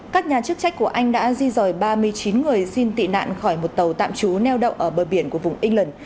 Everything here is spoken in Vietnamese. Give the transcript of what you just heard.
các nhà chức trách của anh đã di dòi ba mươi chín người xin tị nạn khỏi một tàu tạm trú neo đậu ở bờ biển của vùng england